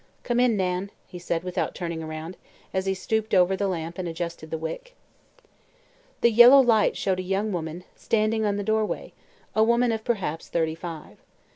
"Come in, Nan," he said without turning around, as he stooped over the lamp and adjusted the wick. The yellow light showed a young woman standing in the doorway, a woman of perhaps thirty five.